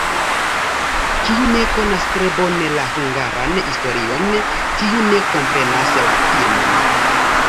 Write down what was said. Kiu ne konas tre bone la hungaran historion, tiu ne komprenas la filmon.